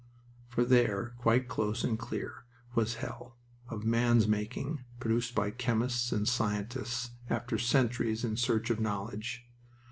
For there, quite close and clear, was hell, of man's making, produced by chemists and scientists, after centuries in search of knowledge.